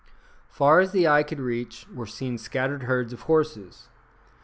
"] Far as the eye could reach were seen scattered herds of horses.